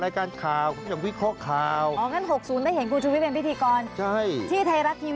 ลุคบอกแล้วเงินผมมีเยอะแล้ว